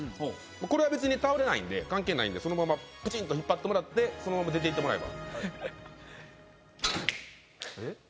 これは倒れないんで関係ないんでプチン！と引っ張ってもらってそのまま出て行ってもらえば。